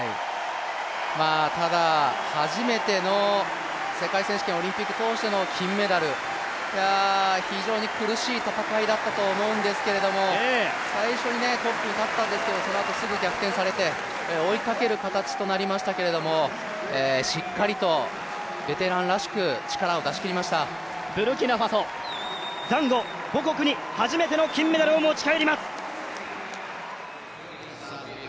ただ初めての世界選手権、オリンピック通しての金メダル非常に苦しい戦いだったと思うんですけれども最初にトップに立ったんですけど、そのあとすぐに逆転されて追いかける形となりましたけれども、しっかりとベテランらしくブルキナファソ、ザンゴ、母国に初めての金メダルを持ち帰ります！